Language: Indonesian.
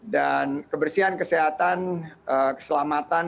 dan kebersihan kesehatan keselamatan